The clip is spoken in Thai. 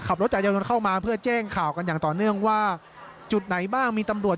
รถจักรยานยนต์เข้ามาเพื่อแจ้งข่าวกันอย่างต่อเนื่องว่าจุดไหนบ้างมีตำรวจ